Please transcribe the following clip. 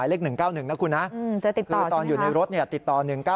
เลข๑๙๑นะคุณนะตอนอยู่ในรถเนี่ยติดต่อ๑๙๑